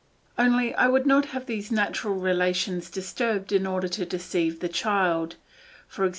Only I would not have these natural relations disturbed in order to deceive the child, e.g.